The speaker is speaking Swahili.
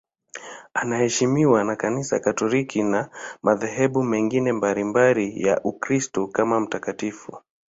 Anaheshimiwa na Kanisa Katoliki na madhehebu mengine mbalimbali ya Ukristo kama mtakatifu.